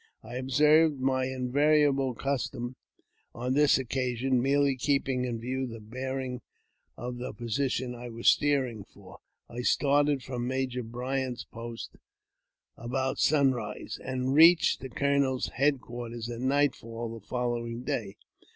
I observed m invariable custom on this occasion, merely keeping in view th bearings of the position I was steering for. I started fro Major Bryant's post about sunrise, and reached the colonel's headquarters at nightfall the following day.